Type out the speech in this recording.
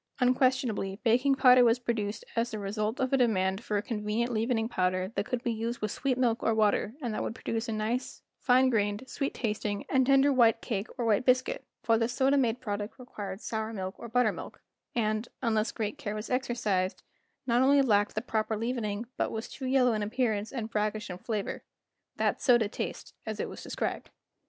Unquestionably baking powder was produced as the result of a demand for a convenient leavening powder that could be used with sweet milk or water and that would produce a nice, fine grained, QUICK BREADS and CAKES 7 sweet tasting, and tender white cake or white biscuit, for the soda made product required sour milk or buttermilk, and, unless great care was exercised, not only lacked the proper leavening but was too yellow in appearance and brackish in flavor, "that soda taste," as it was described.